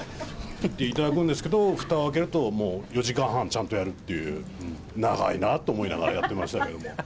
言っていただくんですけど、ふたを開けるともう、４時間半ちゃんとやるっていう、長いなと思いながら、やってましたけども。